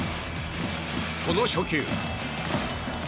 その初球。